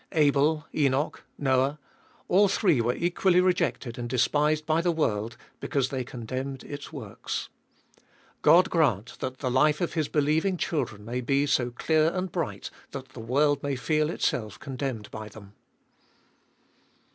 Abel, Enoch, Noah — all three were equally rejected and despised by the world, because they con demned its works. God grant that the life of his believing children may be so clear and bright, that the world may feel itself condemned by them